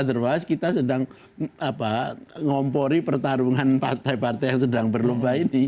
otherwise kita sedang ngompori pertarungan partai partai yang sedang berlomba ini